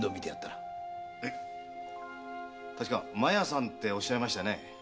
たしか麻耶さんっておっしゃいましたね？